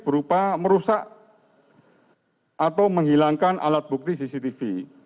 berupa merusak atau menghilangkan alat bukti cctv